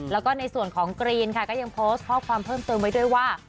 แล้วก็ในส่วนของกรีนค่ะก็ยังโพสต์ข้อความเพิ่มเติมไว้ด้วยว่า